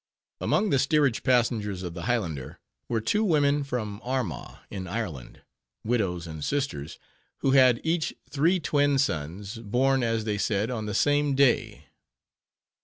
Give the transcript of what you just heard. _ Among the steerage passengers of the Highlander, were two women from Armagh, in Ireland, widows and sisters, who had each three twin sons, born, as they said, on the same day.